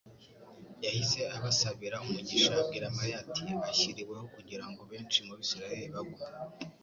yahise abasabira umugisha, abwira Mariya ati, “ ashyiriweho kugira ngo benshi mu Bisiraheli bagwe,